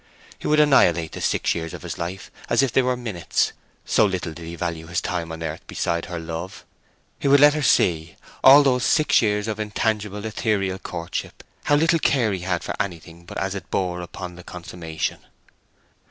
He would annihilate the six years of his life as if they were minutes—so little did he value his time on earth beside her love. He would let her see, all those six years of intangible ethereal courtship, how little care he had for anything but as it bore upon the consummation.